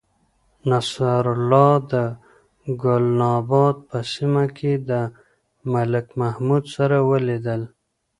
نصرالله د گلناباد په سیمه کې له ملک محمود سره ولیدل.